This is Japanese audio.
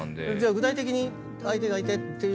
具体的に相手がいてっていう。